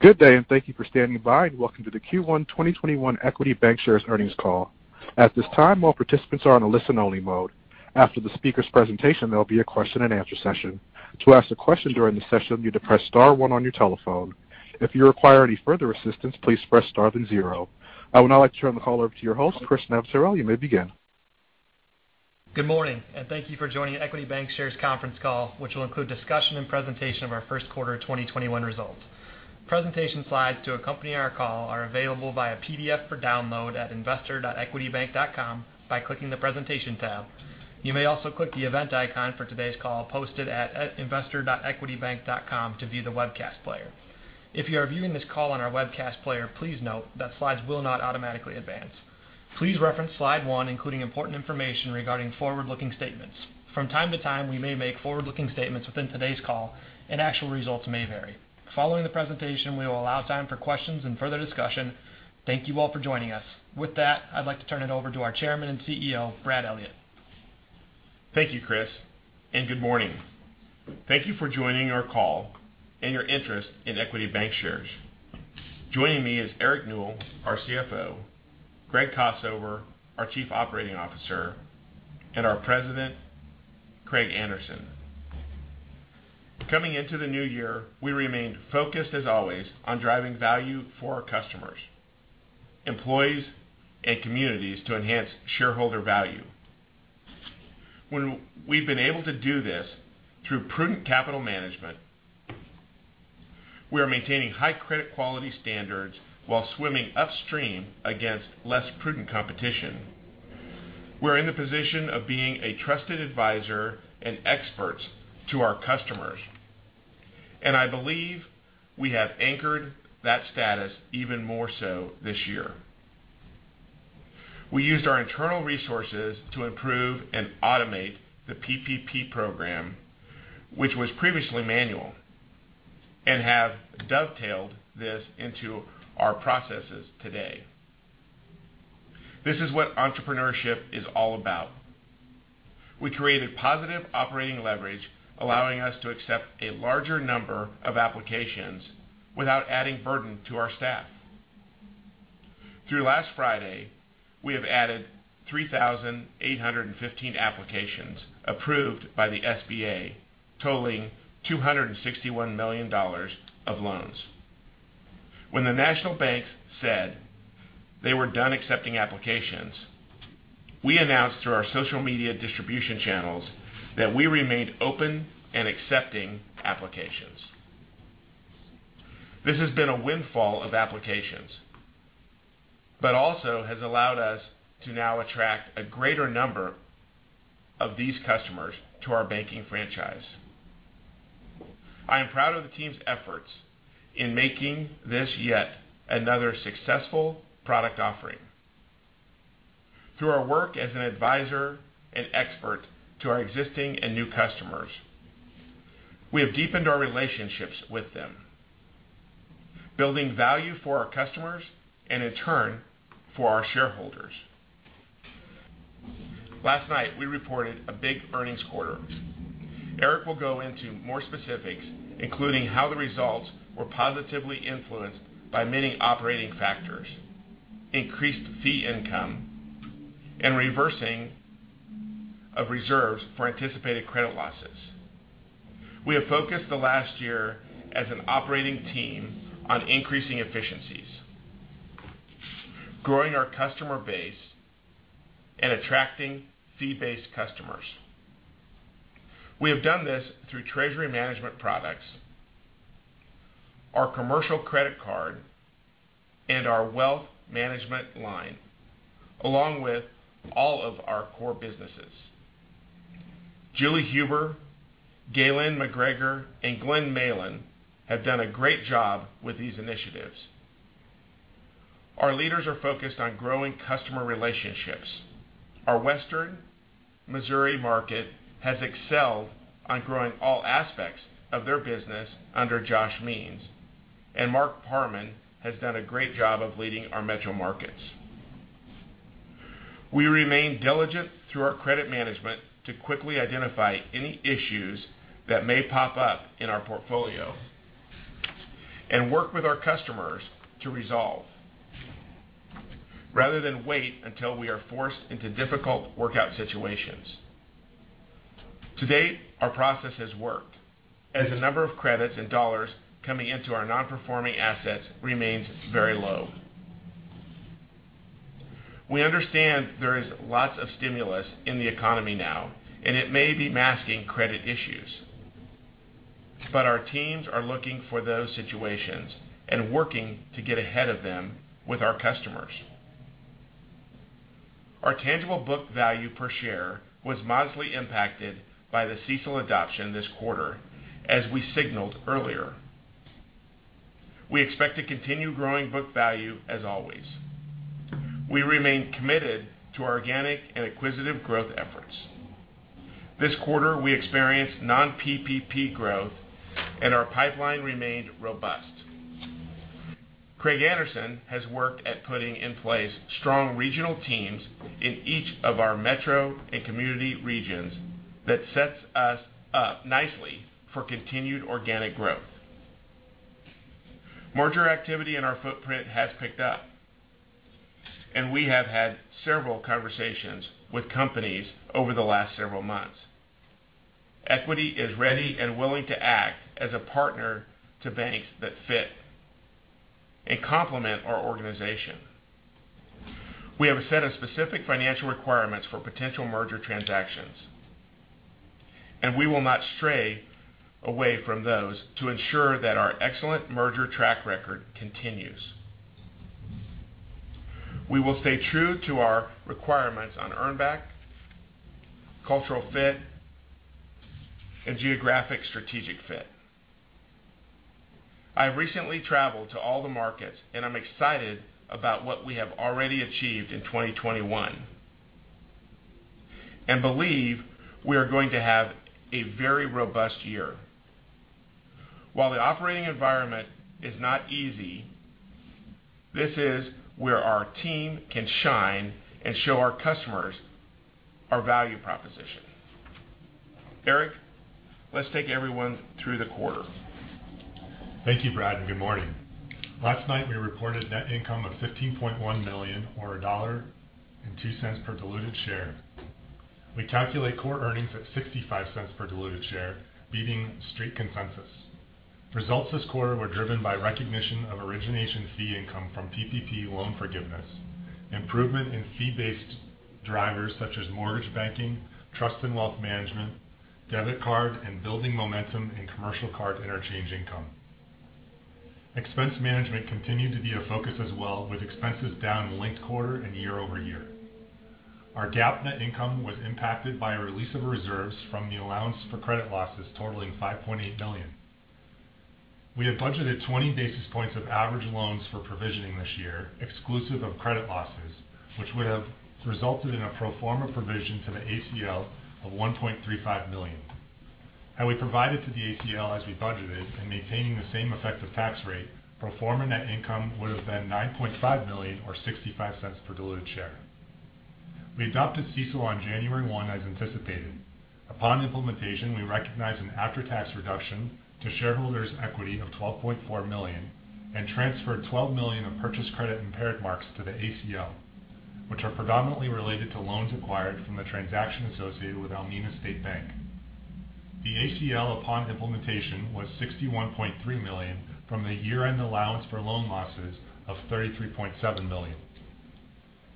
Good day, and thank you for standing by, and welcome to the Q1 2021 Equity Bancshares earnings call. I would now like to turn the call over to your host, Chris Navratil. You may begin. Good morning. Thank you for joining Equity Bancshares conference call, which will include discussion and presentation of our first quarter 2021 results. Presentation slides to accompany our call are available via PDF for download at investor.equitybank.com by clicking the Presentation tab. You may also click the event icon for today's call posted at investor.equitybank.com to view the webcast player. If you are viewing this call on our webcast player, please note that slides will not automatically advance. Please reference slide one including important information regarding forward-looking statements. From time to time, we may make forward-looking statements within today's call. Actual results may vary. Following the presentation, we will allow time for questions and further discussion. Thank you all for joining us. With that, I'd like to turn it over to our Chairman and CEO, Brad Elliott. Thank you, Chris, and good morning. Thank you for joining our call and your interest in Equity Bancshares. Joining me is Eric Newell, our CFO, Greg Kossover, our Chief Operating Officer, and our President, Craig Anderson. Coming into the new year, we remained focused as always on driving value for our customers, employees, and communities to enhance shareholder value. We've been able to do this through prudent capital management. We are maintaining high credit quality standards while swimming upstream against less prudent competition. We're in the position of being a trusted advisor and experts to our customers, and I believe we have anchored that status even more so this year. We used our internal resources to improve and automate the PPP program, which was previously manual, and have dovetailed this into our processes today. This is what entrepreneurship is all about. We created positive operating leverage, allowing us to accept a larger number of applications without adding burden to our staff. Through last Friday, we have added 3,815 applications approved by the SBA, totaling $261 million of loans. When the national banks said they were done accepting applications, we announced through our social media distribution channels that we remained open and accepting applications. This has been a windfall of applications, but also has allowed us to now attract a greater number of these customers to our banking franchise. I am proud of the team's efforts in making this yet another successful product offering. Through our work as an advisor and expert to our existing and new customers, we have deepened our relationships with them, building value for our customers, and in turn, for our shareholders. Last night, we reported a big earnings quarter. Eric will go into more specifics, including how the results were positively influenced by many operating factors, increased fee income, and reversing of reserves for anticipated credit losses. We have focused the last year as an operating team on increasing efficiencies, growing our customer base, and attracting fee-based customers. We have done this through treasury management products, our commercial credit card, and our wealth management line, along with all of our core businesses. Julie Huber, Gaylyn McGregor, and Glenn Malin have done a great job with these initiatives. Our leaders are focused on growing customer relationships. Our Western Missouri market has excelled on growing all aspects of their business under Josh Means, and Mark Parman has done a great job of leading our metro markets. We remain diligent through our credit management to quickly identify any issues that may pop up in our portfolio and work with our customers to resolve, rather than wait until we are forced into difficult workout situations. To date, our process has worked as the number of credits and dollars coming into our non-performing assets remains very low. We understand there is lots of stimulus in the economy now, and it may be masking credit issues, but our teams are looking for those situations and working to get ahead of them with our customers. Our tangible book value per share was modestly impacted by the CECL adoption this quarter, as we signaled earlier. We expect to continue growing book value as always. We remain committed to our organic and acquisitive growth efforts. This quarter, we experienced non-PPP growth and our pipeline remained robust. Craig Anderson has worked at putting in place strong regional teams in each of our metro and community regions that sets us up nicely for continued organic growth. Merger activity in our footprint has picked up, and we have had several conversations with companies over the last several months. Equity is ready and willing to act as a partner to banks that fit and complement our organization. We have a set of specific financial requirements for potential merger transactions, and we will not stray away from those to ensure that our excellent merger track record continues. We will stay true to our requirements on earn back, cultural fit, and geographic strategic fit. I have recently traveled to all the markets, and I'm excited about what we have already achieved in 2021 and believe we are going to have a very robust year. While the operating environment is not easy, this is where our team can shine and show our customers our value proposition. Eric, let's take everyone through the quarter. Thank you, Brad, and good morning. Last night, we reported net income of $15.1 million, or $1.02 per diluted share. We calculate core earnings at $0.65 per diluted share, beating street consensus. Results this quarter were driven by recognition of origination fee income from PPP loan forgiveness, improvement in fee-based drivers such as mortgage banking, trust and wealth management, debit card, and building momentum in commercial card interchange income. Expense management continued to be a focus as well, with expenses down linked quarter and year-over-year. Our GAAP net income was impacted by a release of reserves from the allowance for credit losses totaling $5.8 million. We had budgeted 20 basis points of average loans for provisioning this year, exclusive of credit losses, which would have resulted in a pro forma provision to the ACL of $1.35 million. Had we provided to the ACL as we budgeted and maintaining the same effective tax rate, pro forma net income would have been $9.5 million or $0.65 per diluted share. We adopted CECL on January 1 as anticipated. Upon implementation, we recognized an after-tax reduction to shareholders' equity of $12.4 million and transferred $12 million of purchased credit impaired marks to the ACL, which are predominantly related to loans acquired from the transaction associated with Almena State Bank. The ACL upon implementation was $61.3 million from the year-end allowance for loan losses of $33.7 million.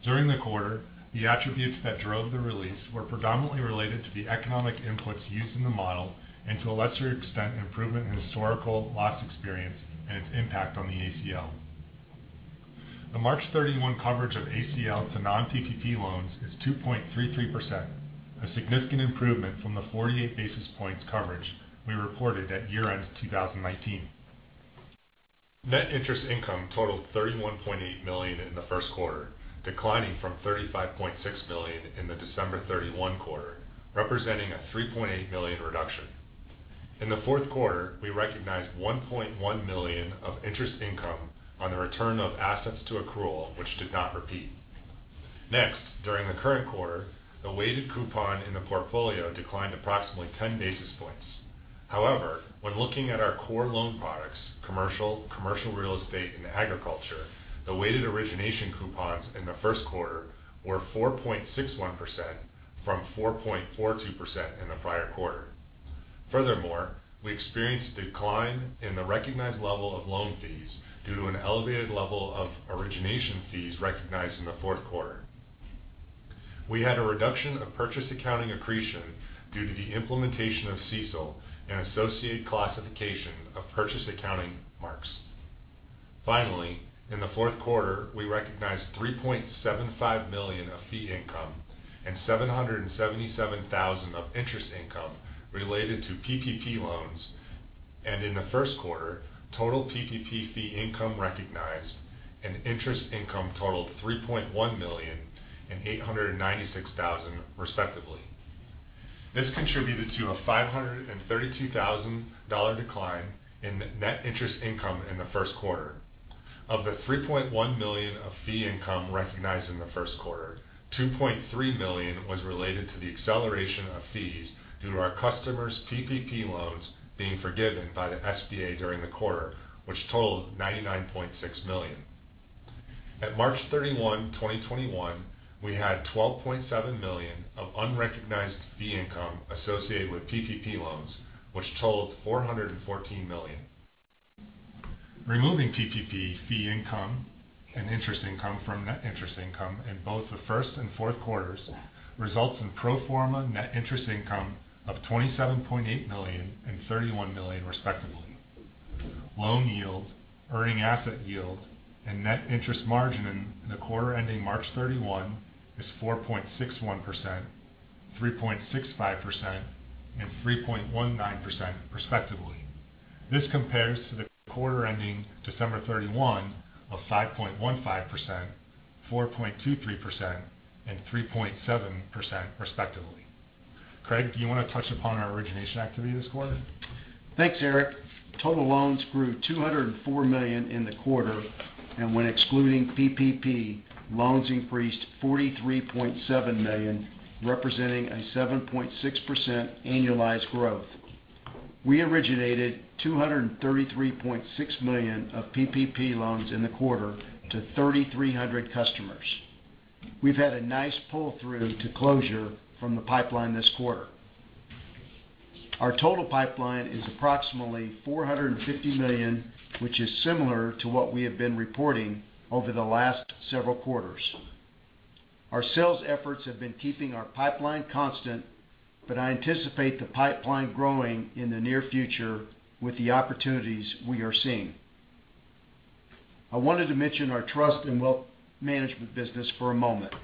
During the quarter, the attributes that drove the release were predominantly related to the economic inputs used in the model and, to a lesser extent, improvement in historical loss experience and its impact on the ACL. The March 31 coverage of ACL to non-PPP loans is 2.33%, a significant improvement from the 48 basis points coverage we reported at year-end 2019. Net interest income totaled $31.8 million in the first quarter, declining from $35.6 million in the December 31 quarter, representing a $3.8 million reduction. In the fourth quarter, we recognized $1.1 million of interest income on the return of assets to accrual, which did not repeat. During the current quarter, the weighted coupon in the portfolio declined approximately 10 basis points. When looking at our core loan products, commercial real estate, and agriculture, the weighted origination coupons in the first quarter were 4.61% from 4.40% in the prior quarter. We experienced a decline in the recognized level of loan fees due to an elevated level of origination fees recognized in the fourth quarter. We had a reduction of purchase accounting accretion due to the implementation of CECL and associated classification of purchase accounting marks. Finally, in the fourth quarter, we recognized $3.75 million of fee income and $777,000 of interest income related to PPP loans. In the first quarter, total PPP fee income recognized and interest income totaled $3.1 million and $896,000, respectively. This contributed to a $532,000 decline in net interest income in the first quarter. Of the $3.1 million of fee income recognized in the first quarter, $2.3 million was related to the acceleration of fees due to our customers' PPP loans being forgiven by the SBA during the quarter, which totaled $99.6 million. At March 31, 2021, we had $12.7 million of unrecognized fee income associated with PPP loans, which totaled $414 million. Removing PPP fee income and interest income from net interest income in both the first and fourth quarters results in pro forma net interest income of $27.8 million and $31 million, respectively. Loan yield, earning asset yield, and net interest margin in the quarter ending March 31 is 4.61%, 3.65%, and 3.19%, respectively. This compares to the quarter ending December 31 of 5.15%, 4.23%, and 3.7%, respectively. Craig, do you want to touch upon our origination activity this quarter? Thanks, Eric. Total loans grew $204 million in the quarter. When excluding PPP, loans increased $43.7 million, representing a 7.6% annualized growth. We originated $233.6 million of PPP loans in the quarter to 3,300 customers. We've had a nice pull-through to closure from the pipeline this quarter. Our total pipeline is approximately $450 million, which is similar to what we have been reporting over the last several quarters. Our sales efforts have been keeping our pipeline constant. I anticipate the pipeline growing in the near future with the opportunities we are seeing. I wanted to mention our trust and wealth management business for a moment.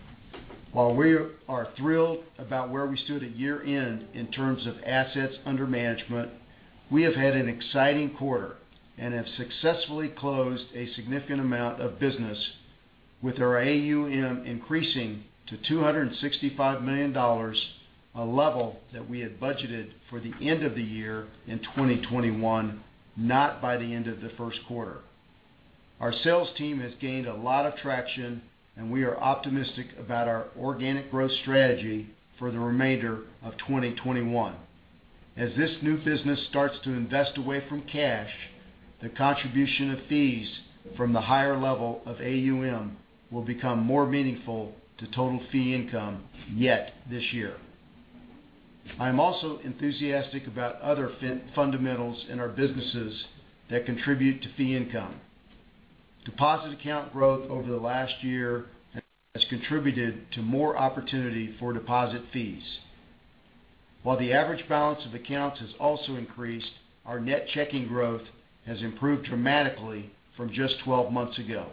While we are thrilled about where we stood at year-end in terms of assets under management, we have had an exciting quarter and have successfully closed a significant amount of business with our AUM increasing to $265 million, a level that we had budgeted for the end of the year in 2021, not by the end of the first quarter. Our sales team has gained a lot of traction, and we are optimistic about our organic growth strategy for the remainder of 2021. As this new business starts to invest away from cash, the contribution of fees from the higher level of AUM will become more meaningful to total fee income, yet this year. I am also enthusiastic about other fundamentals in our businesses that contribute to fee income. Deposit account growth over the last year has contributed to more opportunity for deposit fees. While the average balance of accounts has also increased, our net checking growth has improved dramatically from just 12 months ago.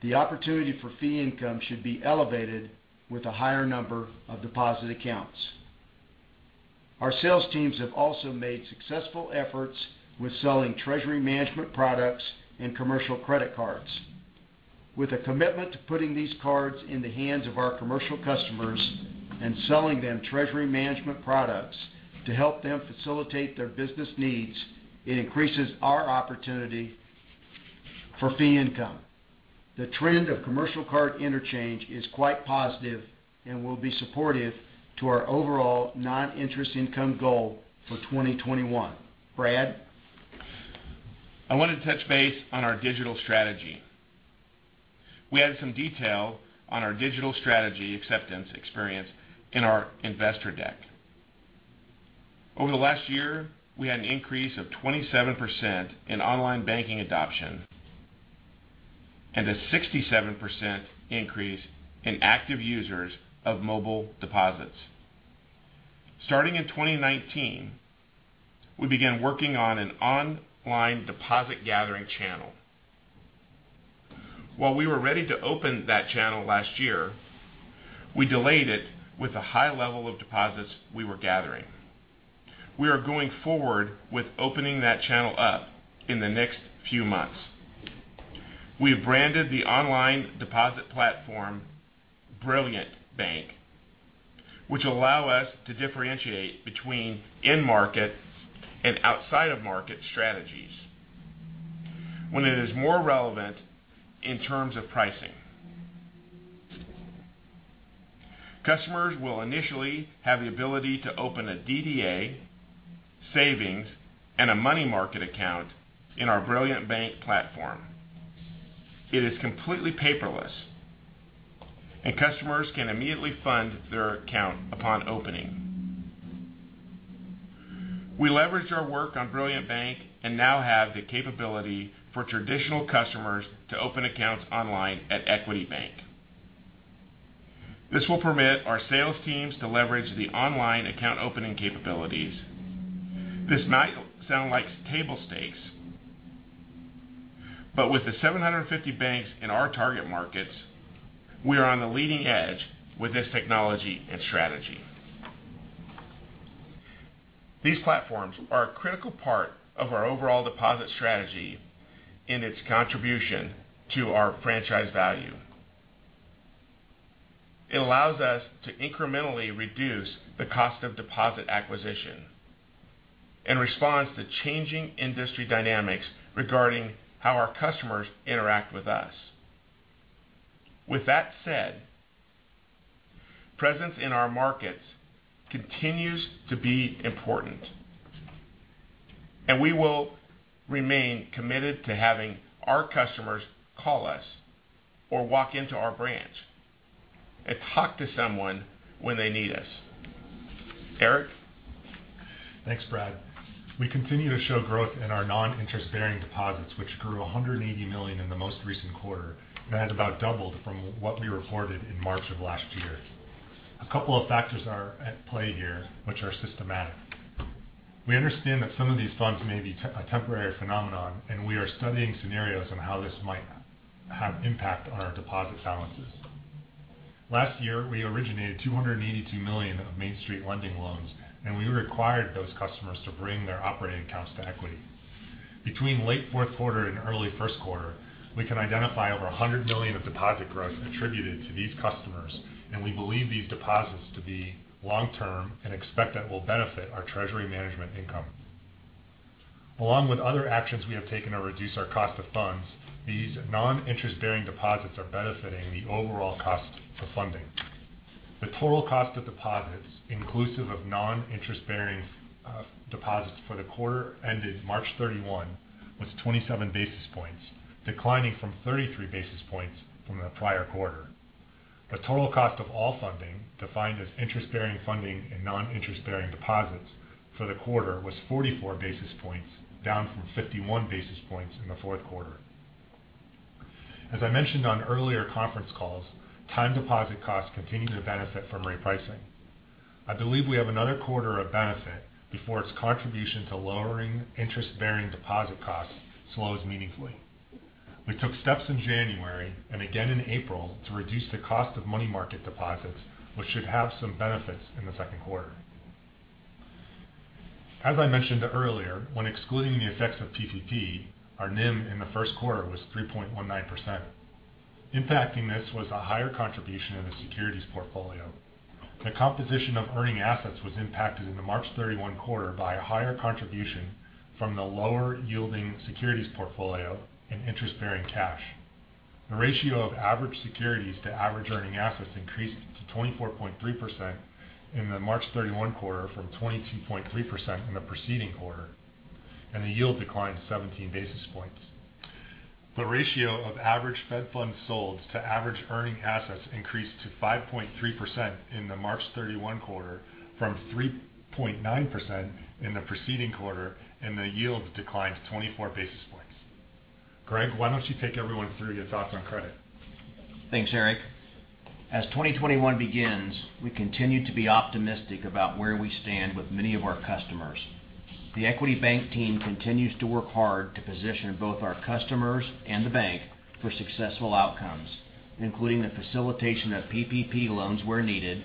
The opportunity for fee income should be elevated with a higher number of deposit accounts. Our sales teams have also made successful efforts with selling treasury management products and commercial credit cards. With a commitment to putting these cards in the hands of our commercial customers and selling them treasury management products to help them facilitate their business needs, it increases our opportunity for fee income. The trend of commercial card interchange is quite positive and will be supportive to our overall non-interest income goal for 2021. Brad? I wanted to touch base on our digital strategy. We had some detail on our digital strategy acceptance experience in our investor deck. Over the last year, we had an increase of 27% in online banking adoption and a 67% increase in active users of mobile deposits. Starting in 2019, we began working on an online deposit gathering channel. While we were ready to open that channel last year, we delayed it with the high level of deposits we were gathering. We are going forward with opening that channel up in the next few months. We have branded the online deposit platform Brilliant Bank, which allow us to differentiate between in-market and outside-of-market strategies when it is more relevant in terms of pricing. Customers will initially have the ability to open a DDA, savings, and a money market account in our Brilliant Bank platform. It is completely paperless, and customers can immediately fund their account upon opening. We leveraged our work on Brilliant Bank and now have the capability for traditional customers to open accounts online at Equity Bank. This will permit our sales teams to leverage the online account opening capabilities. This might sound like table stakes, but with the 750 banks in our target markets, we are on the leading edge with this technology and strategy. These platforms are a critical part of our overall deposit strategy in its contribution to our franchise value. It allows us to incrementally reduce the cost of deposit acquisition in response to changing industry dynamics regarding how our customers interact with us. With that said, presence in our markets continues to be important, and we will remain committed to having our customers call us or walk into our branch and talk to someone when they need us. Eric? Thanks, Brad. We continue to show growth in our non-interest-bearing deposits, which grew $180 million in the most recent quarter and about doubled from what we reported in March of last year. A couple of factors are at play here, which are systematic. We understand that some of these funds may be a temporary phenomenon, and we are studying scenarios on how this might have impact on our deposit balances. Last year, we originated $282 million of Main Street Lending Program loans. We required those customers to bring their operating accounts to Equity. Between late fourth quarter and early first quarter, we can identify over $100 million of deposit growth attributed to these customers, and we believe these deposits to be long-term and expect that will benefit our treasury management income. Along with other actions we have taken to reduce our cost of funds, these non-interest-bearing deposits are benefiting the overall cost of funding. The total cost of deposits inclusive of non-interest-bearing deposits for the quarter ended March 31 was 27 basis points, declining from 33 basis points from the prior quarter. The total cost of all funding, defined as interest-bearing funding and non-interest-bearing deposits for the quarter, was 44 basis points, down from 51 basis points in the fourth quarter. As I mentioned on earlier conference calls, time deposit costs continue to benefit from repricing. I believe we have another quarter of benefit before its contribution to lowering interest-bearing deposit costs slows meaningfully. We took steps in January and again in April to reduce the cost of money market deposits, which should have some benefits in the second quarter. As I mentioned earlier, when excluding the effects of PPP, our NIM in the first quarter was 3.19%. Impacting this was a higher contribution in the securities portfolio. The composition of earning assets was impacted in the March 31 quarter by a higher contribution from the lower yielding securities portfolio and interest-bearing cash. The ratio of average securities to average earning assets increased to 24.3% in the March 31 quarter from 22.3% in the preceding quarter, the yield declined to 17 basis points. The ratio of average Fed funds sold to average earning assets increased to 5.3% in the March 31 quarter from 3.9% in the preceding quarter, the yield declined to 24 basis points. Greg, why don't you take everyone through your thoughts on credit? Thanks, Eric. As 2021 begins, we continue to be optimistic about where we stand with many of our customers. The Equity Bank team continues to work hard to position both our customers and the bank for successful outcomes, including the facilitation of PPP loans where needed,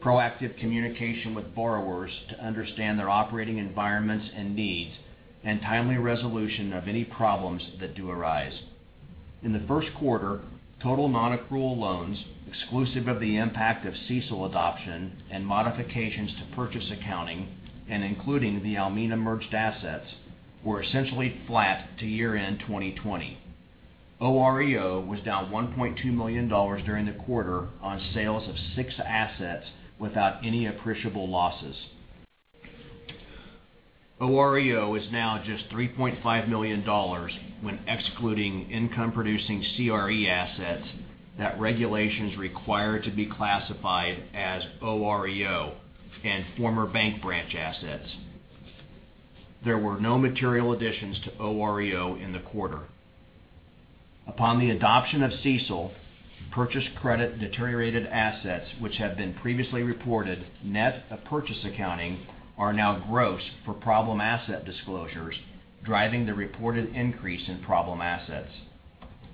proactive communication with borrowers to understand their operating environments and needs, and timely resolution of any problems that do arise. In the first quarter, total non-accrual loans, exclusive of the impact of CECL adoption and modifications to purchase accounting and including the Almena merged assets, were essentially flat to year-end 2020. OREO was down $1.2 million during the quarter on sales of six assets without any appreciable losses. OREO is now just $3.5 million when excluding income-producing CRE assets that regulations require to be classified as OREO and former bank branch assets. There were no material additions to OREO in the quarter. Upon the adoption of CECL, purchased credit deteriorated assets, which have been previously reported net of purchase accounting, are now gross for problem asset disclosures, driving the reported increase in problem assets.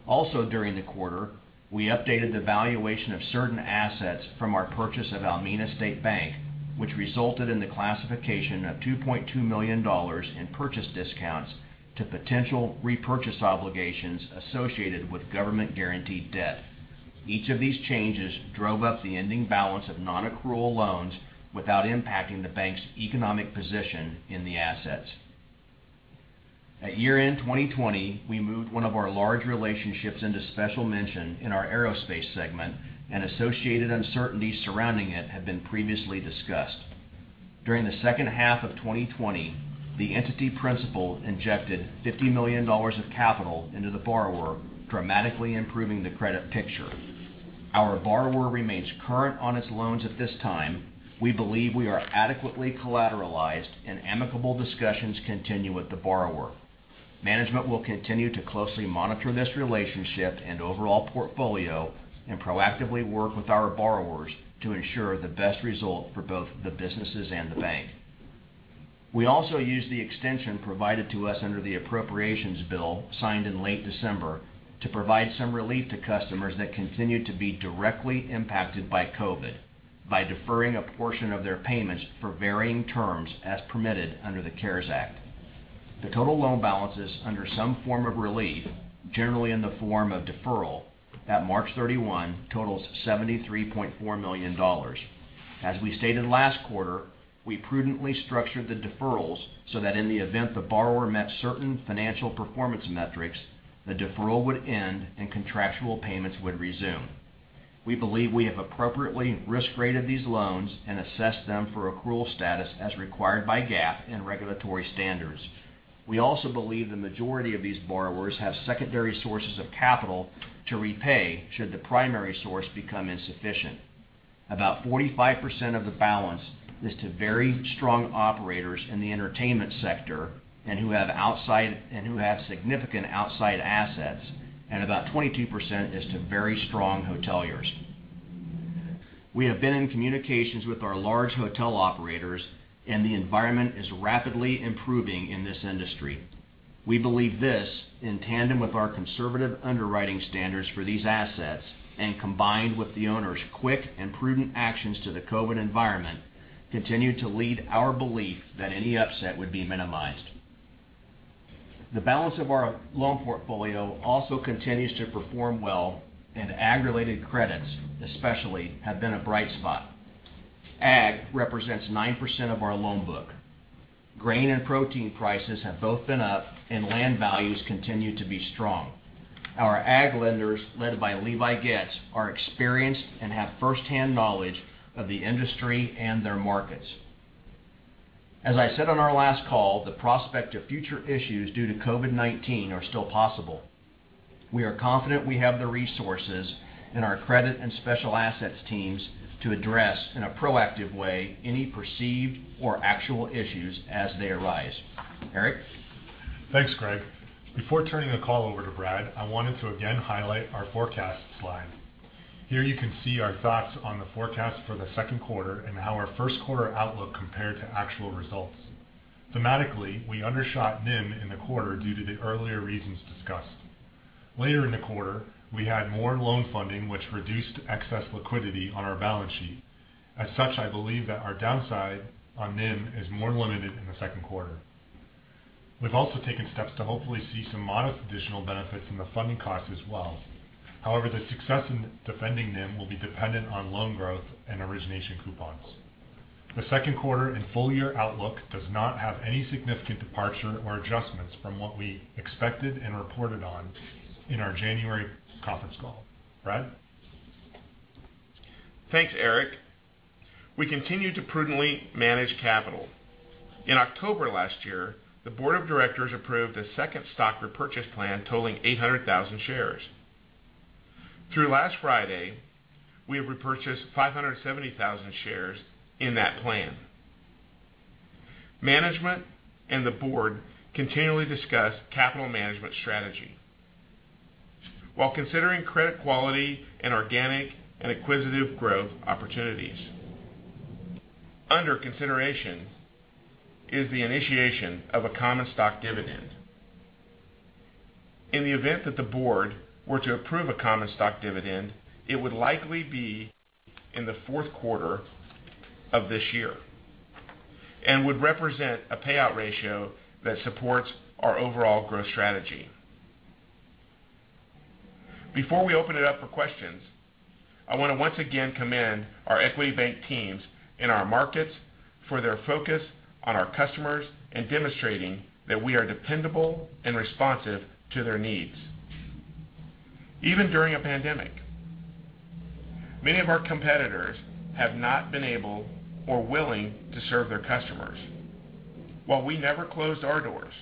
Also during the quarter, we updated the valuation of certain assets from our purchase of Almena State Bank, which resulted in the classification of $2.2 million in purchase discounts to potential repurchase obligations associated with government-guaranteed debt. Each of these changes drove up the ending balance of non-accrual loans without impacting the bank's economic position in the assets. At year-end 2020, we moved one of our large relationships into special mention in our aerospace segment, and associated uncertainties surrounding it had been previously discussed. During the second half of 2020, the entity principal injected $50 million of capital into the borrower, dramatically improving the credit picture. Our borrower remains current on its loans at this time. We believe we are adequately collateralized, and amicable discussions continue with the borrower. Management will continue to closely monitor this relationship and overall portfolio and proactively work with our borrowers to ensure the best result for both the businesses and the bank. We also used the extension provided to us under the appropriations bill signed in late December to provide some relief to customers that continued to be directly impacted by COVID by deferring a portion of their payments for varying terms as permitted under the CARES Act. The total loan balances under some form of relief, generally in the form of deferral, at March 31 totals $73.4 million. As we stated last quarter, we prudently structured the deferrals so that in the event the borrower met certain financial performance metrics, the deferral would end and contractual payments would resume. We believe we have appropriately risk-rated these loans and assessed them for accrual status as required by GAAP and regulatory standards. We also believe the majority of these borrowers have secondary sources of capital to repay should the primary source become insufficient. About 45% of the balance is to very strong operators in the entertainment sector and who have significant outside assets, and about 22% is to very strong hoteliers. We have been in communications with our large hotel operators, and the environment is rapidly improving in this industry. We believe this, in tandem with our conservative underwriting standards for these assets, and combined with the owner's quick and prudent actions to the COVID environment, continue to lead our belief that any upset would be minimized. The balance of our loan portfolio also continues to perform well, and Ag-related credits, especially, have been a bright spot. Ag represents 9% of our loan book. Grain and protein prices have both been up, and land values continue to be strong. Our Ag lenders, led by Levi Goetz, are experienced and have firsthand knowledge of the industry and their markets. As I said on our last call, the prospect of future issues due to COVID-19 are still possible. We are confident we have the resources in our credit and special assets teams to address, in a proactive way, any perceived or actual issues as they arise. Eric? Thanks, Greg. Before turning the call over to Brad, I wanted to again highlight our forecast slide. Here you can see our thoughts on the forecast for the second quarter and how our first quarter outlook compared to actual results. Thematically, we undershot NIM in the quarter due to the earlier reasons discussed. Later in the quarter, we had more loan funding, which reduced excess liquidity on our balance sheet. As such, I believe that our downside on NIM is more limited in the second quarter. We've also taken steps to hopefully see some modest additional benefits in the funding cost as well. However, the success in defending NIM will be dependent on loan growth and origination coupons. The second quarter and full-year outlook does not have any significant departure or adjustments from what we expected and reported on in our January conference call. Brad? Thanks, Eric. We continue to prudently manage capital. In October last year, the board of directors approved a second stock repurchase plan totaling 800,000 shares. Through last Friday, we have repurchased 570,000 shares in that plan. Management and the board continually discuss capital management strategy while considering credit quality and organic and acquisitive growth opportunities. Under consideration is the initiation of a common stock dividend. In the event that the board were to approve a common stock dividend, it would likely be in the fourth quarter of this year and would represent a payout ratio that supports our overall growth strategy. Before we open it up for questions, I want to once again commend our Equity Bank teams in our markets for their focus on our customers and demonstrating that we are dependable and responsive to their needs, even during a pandemic. Many of our competitors have not been able or willing to serve their customers, while we never closed our doors.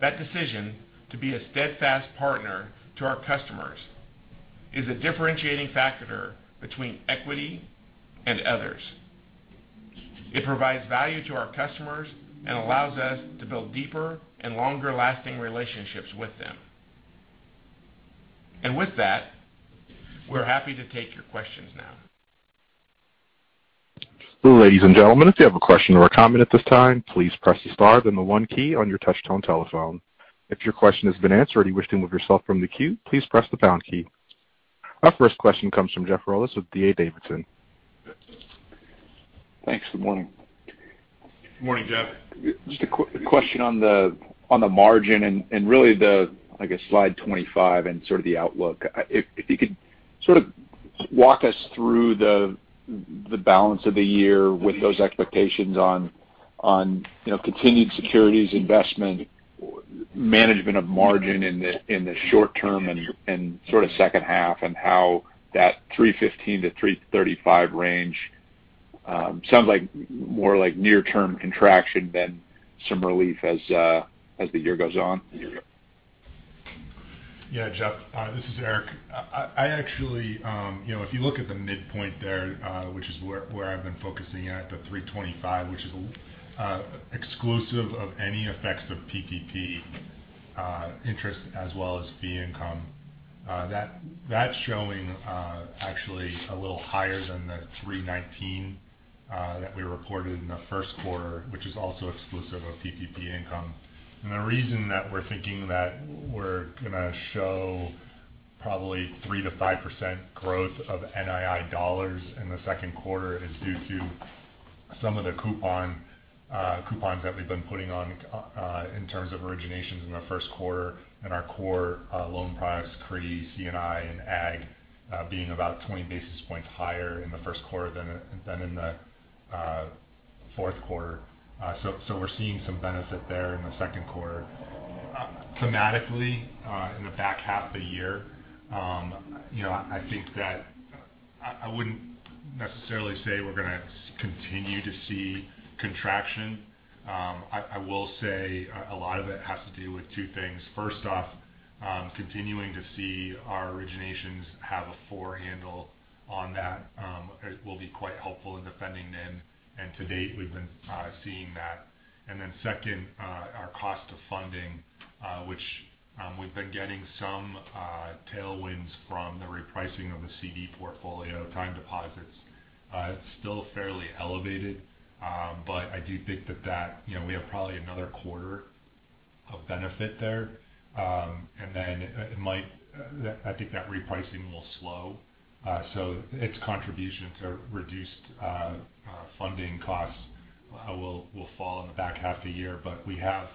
That decision to be a steadfast partner to our customers is a differentiating factor between Equity and others. It provides value to our customers and allows us to build deeper and longer-lasting relationships with them. With that, we're happy to take your questions now. Hello, ladies and gentlemen if you have a question or comment at this time, please press star then one key on your touchtone telephone. If your question has been answered and wish yourself to remove from the queue, please press the pound key. Our first question comes from Jeff Rulis with D.A. Davidson. Thanks. Good morning. Good morning, Jeff. Just a question on the margin and really the, I guess, slide 25 and sort of the outlook. If you could sort of walk us through the balance of the year with those expectations on continued securities investment, management of margin in the short term and sort of second half, how that 3.15%-3.35% range sounds more like near-term contraction than some relief as the year goes on. Yeah, Jeff, this is Eric. If you look at the midpoint there, which is where I've been focusing at, the 3.25%, which is exclusive of any effects of PPP interest as well as fee income. That's showing actually a little higher than the 3.19% that we reported in the first quarter, which is also exclusive of PPP income. The reason that we're thinking that we're going to show probably 3%-5% growth of NII dollars in the second quarter is due to some of the coupons that we've been putting on in terms of originations in the first quarter and our core loan products, CRE, C&I, and Ag, being about 20 basis points higher in the first quarter than in the fourth quarter. We're seeing some benefit there in the second quarter. Thematically, in the back half of the year, I think that I wouldn't necessarily say we're going to continue to see contraction. I will say a lot of it has to do with two things. First off, continuing to see our originations have a four handle on that will be quite helpful in defending NIM, and to date, we've been seeing that. Second, our cost of funding, which we've been getting some tailwinds from the repricing of the CD portfolio time deposits. It's still fairly elevated. I do think that, we have probably another quarter of benefit there. I think that repricing will slow. Its contribution to reduced funding costs will fall in the back half of the year. We have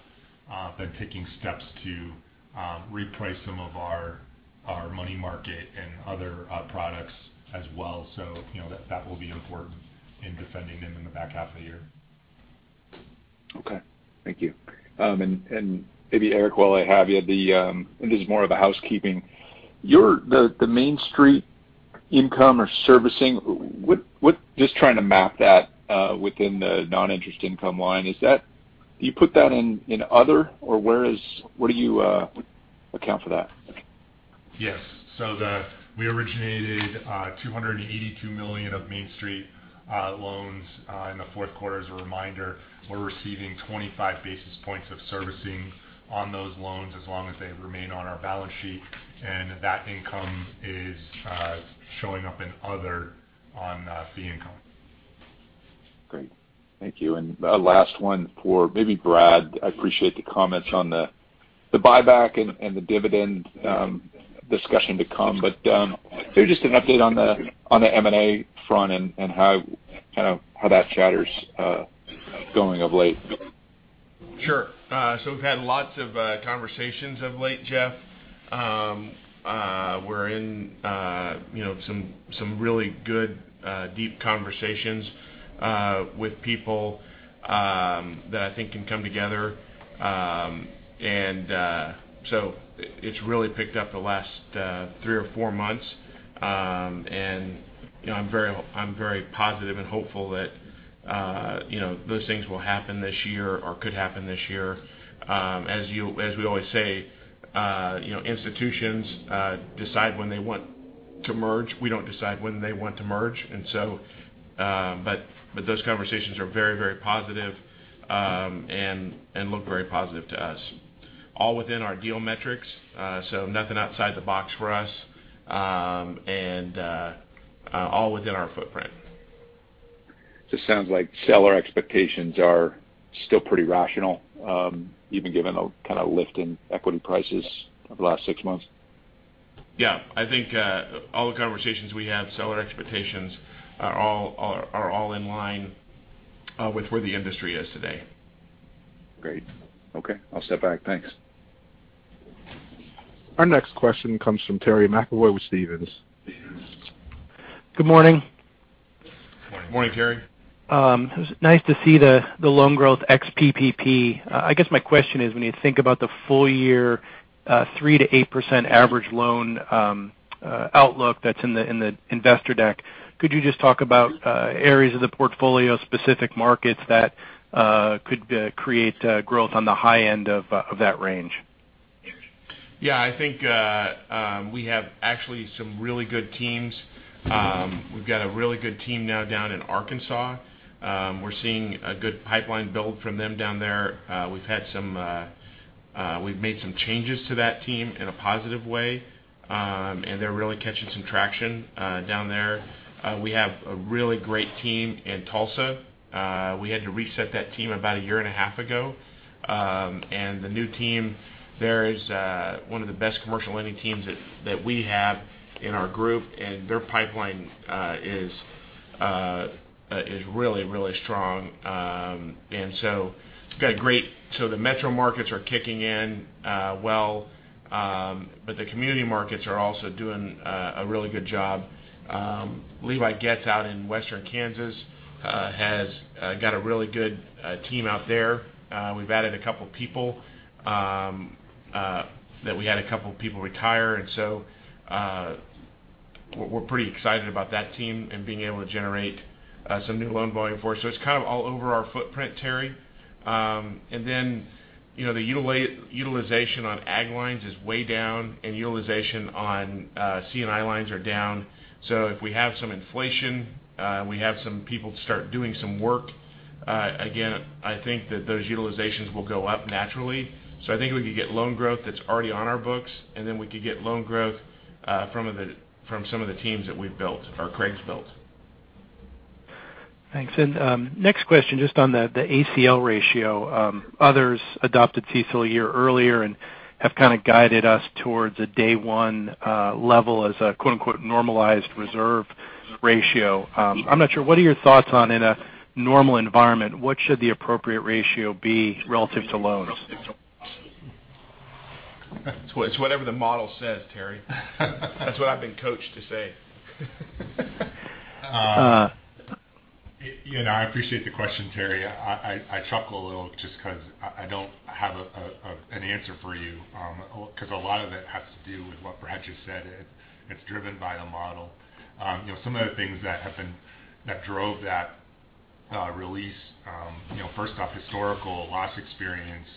been taking steps to reprice some of our money market and other products as well. That will be important in defending them in the back half of the year. Okay. Thank you. Maybe Eric, while I have you, this is more of the housekeeping. The Main Street income or servicing, just trying to map that within the non-interest income line. You put that in other, where do you account for that? Yes. We originated $282 million of Main Street loans in the fourth quarter. As a reminder, we're receiving 25 basis points of servicing on those loans as long as they remain on our balance sheet. That income is showing up in other on fee income. Great. Thank you. A last one for maybe Brad. I appreciate the comments on the buyback and the dividend discussion to come. Maybe just an update on the M&A front and how that chatter's going of late. Sure. We've had lots of conversations of late, Jeff. We're in some really good, deep conversations with people that I think can come together. It's really picked up the last three or four months. I'm very positive and hopeful that those things will happen this year or could happen this year. As we always say, institutions decide when they want to merge. We don't decide when they want to merge. Those conversations are very positive and look very positive to us. All within our deal metrics. Nothing outside the box for us. All within our footprint. Just sounds like seller expectations are still pretty rational even given the kind of lift in equity prices over the last six months. Yeah. I think all the conversations we have, seller expectations are all in line with where the industry is today. Great. Okay, I'll step back. Thanks. Our next question comes from Terry McEvoy with Stephens. Good morning. Morning. Morning, Terry. It was nice to see the loan growth ex-PPP. I guess my question is, when you think about the full year 3%-8% average loan outlook that's in the investor deck, could you just talk about areas of the portfolio, specific markets that could create growth on the high end of that range? I think we have actually some really good teams. We've got a really good team now down in Arkansas. We're seeing a good pipeline build from them down there. We've made some changes to that team in a positive way. They're really catching some traction down there. We have a really great team in Tulsa. We had to reset that team about a year and a half ago. The new team there is one of the best commercial lending teams that we have in our group, and their pipeline is really strong. The metro markets are kicking in well, but the community markets are also doing a really good job. Levi Goetz out in Western Kansas has got a really good team out there. We've added a couple people. We had a couple people retire. We're pretty excited about that team and being able to generate some new loan volume for us. It's kind of all over our footprint, Terry. The utilization on Ag lines is way down, and utilization on C&I lines are down. If we have some inflation, we have some people start doing some work, again, I think that those utilizations will go up naturally. I think we could get loan growth that's already on our books, and then we could get loan growth from some of the teams that we've built or Craig's built. Thanks. Next question just on the ACL ratio. Others adopted CECL a year earlier and have kind of guided us towards a day one level as a quote unquote "normalized reserve ratio." I'm not sure, what are your thoughts on, in a normal environment, what should the appropriate ratio be relative to loans? It's whatever the model says, Terry. That's what I've been coached to say. I appreciate the question, Terry. I chuckle a little just because I don't have an answer for you because a lot of it has to do with what Brad just said. It's driven by the model. Some of the things that drove that release, first off, historical loss experience.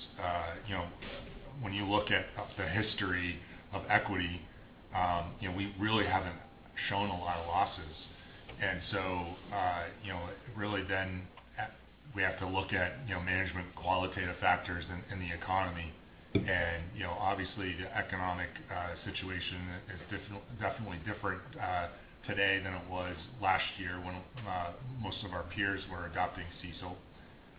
When you look at the history of Equity, we really haven't Shown a lot of losses. Really then we have to look at management qualitative factors in the economy. Obviously, the economic situation is definitely different today than it was last year when most of our peers were adopting CECL.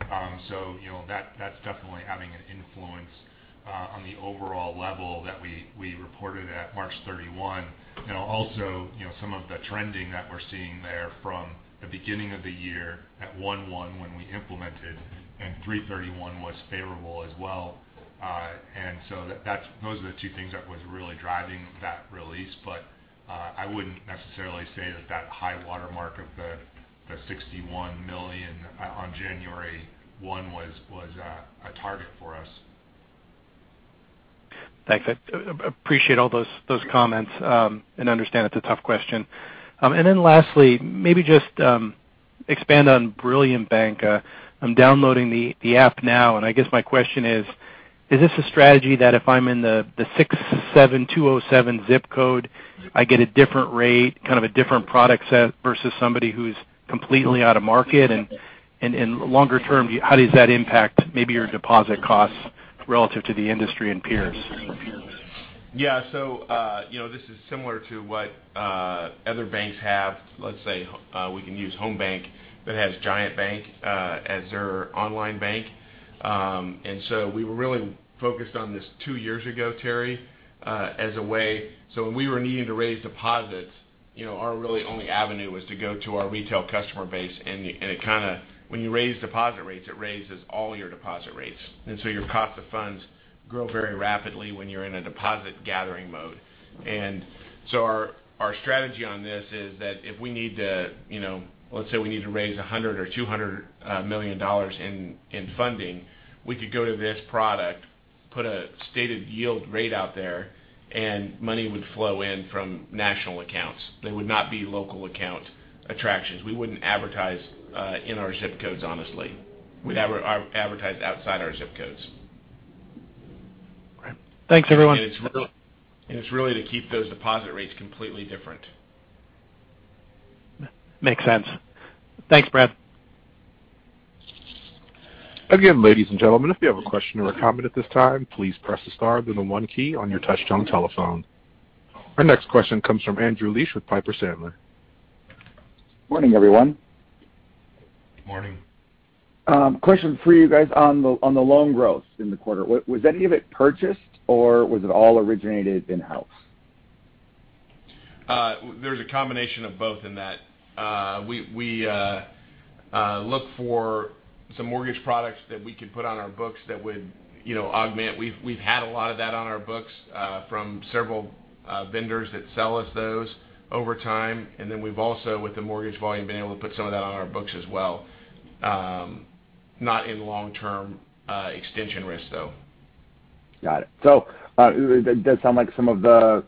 That's definitely having an influence on the overall level that we reported at March 31. Also, some of the trending that we're seeing there from the beginning of the year at January 1 when we implemented and March 31 was favorable as well. Those are the two things that was really driving that release. I wouldn't necessarily say that that high watermark of the $61 million on January 1 was a target for us. Thanks. I appreciate all those comments and understand it's a tough question. Then lastly, maybe just expand on Brilliant Bank. I'm downloading the app now, and I guess my question is this a strategy that if I'm in the 67207 zip code, I get a different rate, kind of a different product set versus somebody who's completely out of market? Longer term, how does that impact maybe your deposit costs relative to the industry and peers? Yeah. This is similar to what other banks have. Let's say we can use Home BancShares that has giantbank.com as their online bank. We were really focused on this two years ago, Terry, as a way when we were needing to raise deposits, our really only avenue was to go to our retail customer base. When you raise deposit rates, it raises all your deposit rates. Your cost of funds grow very rapidly when you're in a deposit gathering mode. Our strategy on this is that if we need to, let's say we need to raise $100 million or $200 million in funding, we could go to this product, put a stated yield rate out there, and money would flow in from national accounts. They would not be local account attractions. We wouldn't advertise in our zip codes, honestly. We'd advertise outside our zip codes. All right. Thanks, everyone. It's really to keep those deposit rates completely different. Makes sense. Thanks, Brad. Again, ladies and gentlemen, Our next question comes from Andrew Liesch with Piper Sandler. Morning, everyone. Morning. Question for you guys on the loan growth in the quarter. Was any of it purchased, or was it all originated in-house? There's a combination of both in that. We look for some mortgage products that we could put on our books that would augment. We've had a lot of that on our books from several vendors that sell us those over time. We've also, with the mortgage volume, been able to put some of that on our books as well. Not in long-term extension risk, though. Got it. It does sound like some of the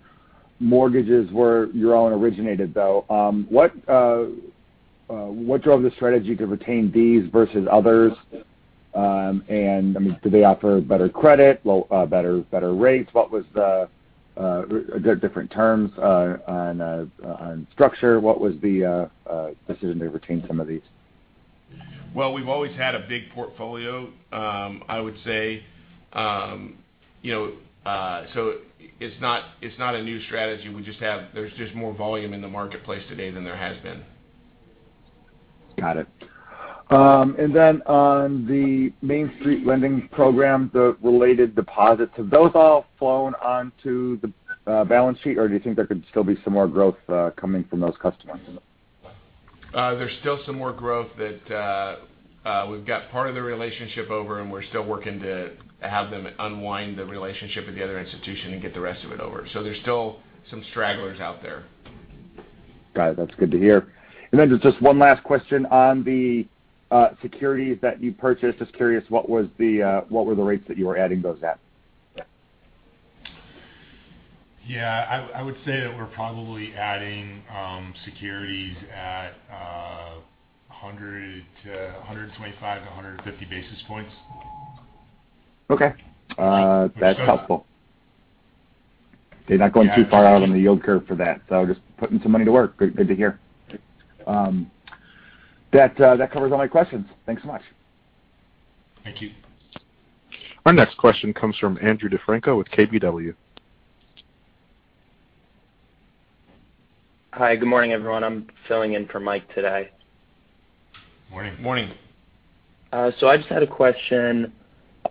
mortgages were your own originated, though. What drove the strategy to retain these versus others? Do they offer better credit, better rates? Are there different terms on structure? What was the decision to retain some of these? Well, we've always had a big portfolio, I would say. It's not a new strategy. There's just more volume in the marketplace today than there has been. Got it. On the Main Street Lending Program, the related deposits, have those all flown onto the balance sheet, or do you think there could still be some more growth coming from those customers? There's still some more growth that we've got part of the relationship over, and we're still working to have them unwind the relationship with the other institution and get the rest of it over. There's still some stragglers out there. Got it. That is good to hear. Just one last question on the securities that you purchased. Just curious, what were the rates that you were adding those at? I would say that we're probably adding securities at 100 to 125 to 150 basis points. Okay. That's helpful. Yeah. They're not going too far out on the yield curve for that. Just putting some money to work. Good to hear. Yeah. That covers all my questions. Thanks so much. Thank you. Our next question comes from Andrew DeFranco with KBW. Hi, good morning, everyone. I'm filling in for Mike today. Morning. Morning. I just had a question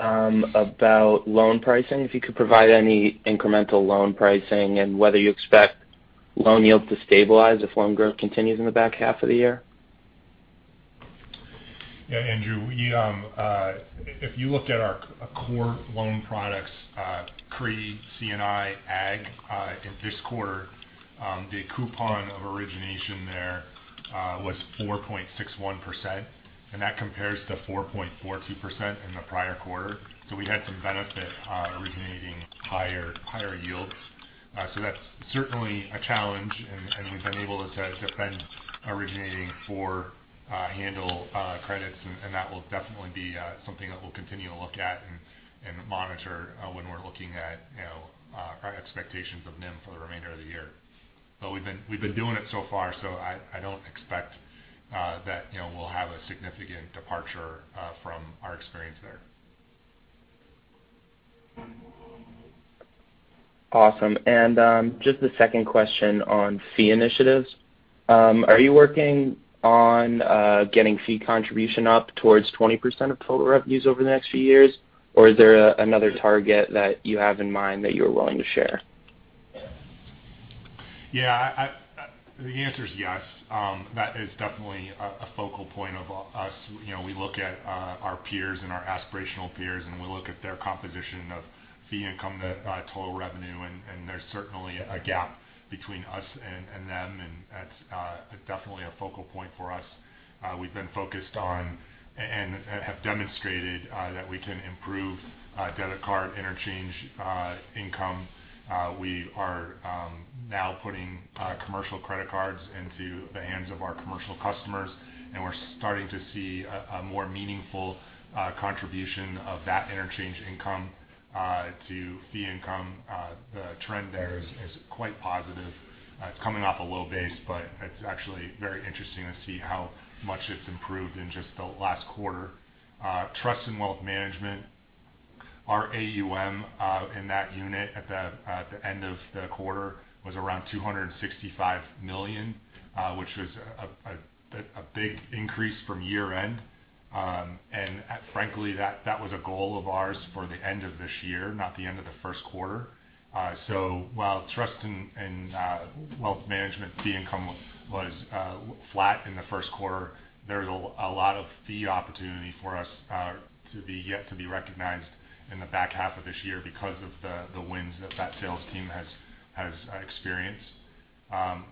about loan pricing, if you could provide any incremental loan pricing and whether you expect loan yield to stabilize if loan growth continues in the back half of the year? Andrew. If you looked at our core loan products, CRE, C&I, Ag, in this quarter, the coupon of origination there was 4.61%. That compares to 4.42% in the prior quarter. We had some benefit originating higher yields. That's certainly a challenge. We've been able to defend originating four handle credits. That will definitely be something that we'll continue to look at and monitor when we're looking at our expectations of NIM for the remainder of the year. We've been doing it so far, so I don't expect that we'll have a significant departure from our experience there. Awesome. Just the second question on fee initiatives. Are you working on getting fee contribution up towards 20% of total revenues over the next few years? Is there another target that you have in mind that you are willing to share? Yeah. The answer is yes. That is definitely a focal point of us. We look at our peers and our aspirational peers, and we look at their composition of fee income to total revenue, and there's certainly a gap between us and them, and that's definitely a focal point for us. We've been focused on and have demonstrated that we can improve debit card interchange income. We are now putting commercial credit cards into the hands of our commercial customers, and we're starting to see a more meaningful contribution of that interchange income to fee income. The trend there is quite positive. It's coming off a low base, but it's actually very interesting to see how much it's improved in just the last quarter. Trust and wealth management, our AUM in that unit at the end of the quarter was around $265 million, which was a big increase from year-end. Frankly, that was a goal of ours for the end of this year, not the end of the first quarter. While trust and wealth management fee income was flat in the first quarter, there's a lot of fee opportunity for us yet to be recognized in the back half of this year because of the wins that sales team has experienced.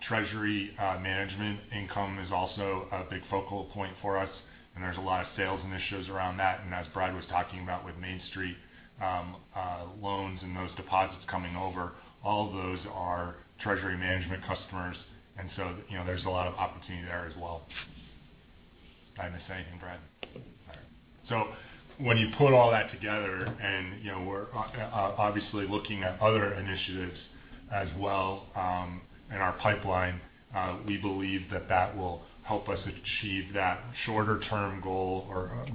Treasury management income is also a big focal point for us, and there's a lot of sales initiatives around that. As Brad was talking about with Main Street loans and those deposits coming over, all those are treasury management customers. There's a lot of opportunity there as well. Did I miss anything, Brad? All right. When you put all that together, and we're obviously looking at other initiatives as well in our pipeline, we believe that that will help us achieve that shorter-term goal or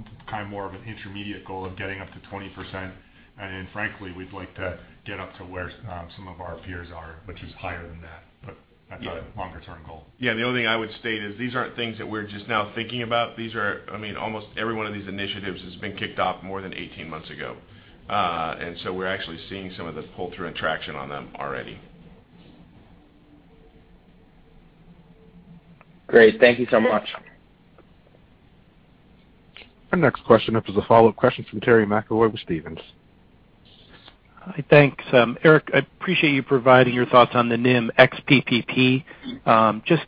more of an intermediate goal of getting up to 20%. Then frankly, we'd like to get up to where some of our peers are, which is higher than that. That's a longer-term goal. Yeah. The only thing I would state is these aren't things that we're just now thinking about. Almost every one of these initiatives has been kicked off more than 18 months ago. We're actually seeing some of the pull-through and traction on them already. Great. Thank you so much. Our next question up is a follow-up question from Terry McEvoy with Stephens. Hi. Thanks. Eric, I appreciate you providing your thoughts on the NIM ex-PPP.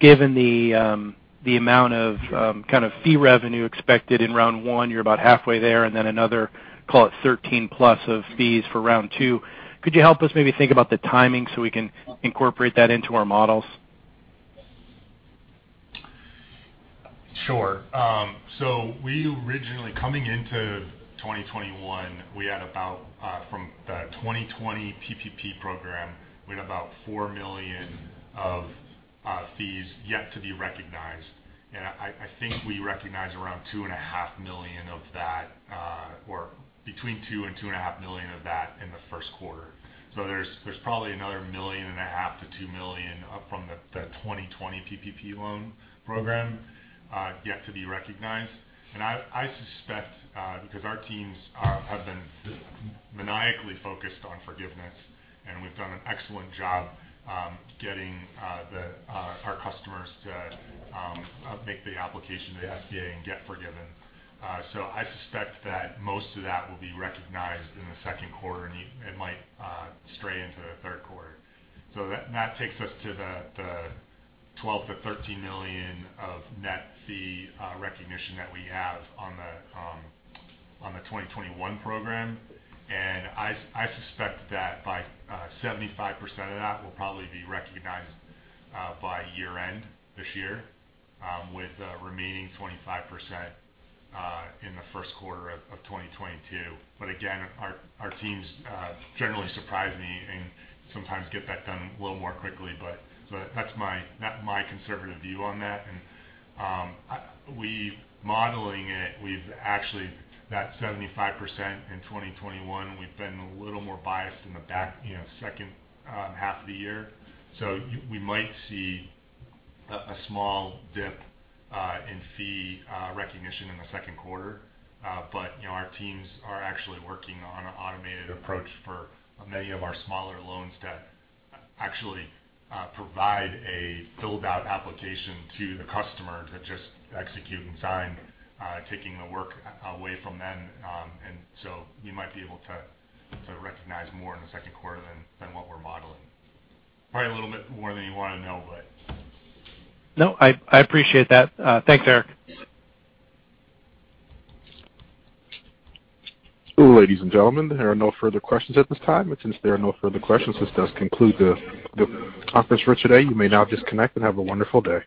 Given the amount of fee revenue expected in round one, you're about halfway there, and then another, call it 13+ of fees for round two. Could you help us maybe think about the timing so we can incorporate that into our models? Sure. We originally, coming into 2021, from the 2020 PPP program, we had about $4 million of fees yet to be recognized. I think we recognized around $2.5 million of that or between $2 million and $2.5 million of that in the first quarter. There's probably another million and a half to $2 million up from the 2020 PPP loan program yet to be recognized. I suspect because our teams have been maniacally focused on forgiveness, and we've done an excellent job getting our customers to make the application to the SBA and get forgiven. I suspect that most of that will be recognized in the second quarter, and it might stray into the third quarter. That takes us to the $12 million-$13 million of net fee recognition that we have on the 2021 program. I suspect that by 75% of that will probably be recognized by year-end this year, with the remaining 25% in the first quarter of 2022. Again, our teams generally surprise me and sometimes get that done a little more quickly. That's my conservative view on that. Modeling it, we've actually, that 75% in 2021, we've been a little more biased in the back second half of the year. We might see a small dip in fee recognition in the second quarter. Our teams are actually working on an automated approach for many of our smaller loans to actually provide a filled-out application to the customer to just execute and sign, taking the work away from them. We might be able to recognize more in the second quarter than what we're modeling. Probably a little bit more than you want to know. No, I appreciate that. Thanks, Eric. Ladies and gentlemen, there are no further questions at this time. Since there are no further questions, this does conclude the conference for today. You may now disconnect and have a wonderful day.